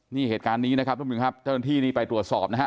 นี่เหตุการณ์นี้นะครับทุกผู้ชมครับเจ้าหน้าที่นี่ไปตรวจสอบนะฮะ